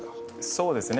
そうですね。